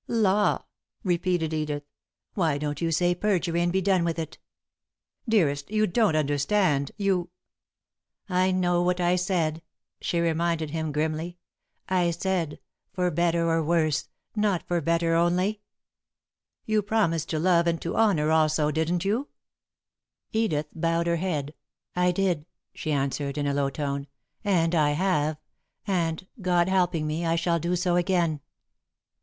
"Law!" repeated Edith. "Why don't you say perjury, and be done with it?" "Dearest, you don't understand. You " "I know what I said," she reminded him, grimly. "I said 'For better or worse,' not 'for better' only." [Sidenote: What of Miss Starr?] "You promised to love and to honour also, didn't you?" Edith bowed her head. "I did," she answered, in a low tone, "and I have, and, God helping me, I shall do so again."